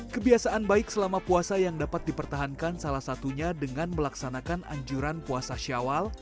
kebiasaan baik selama puasa yang dapat dipertahankan salah satunya dengan melaksanakan anjuran puasa syawal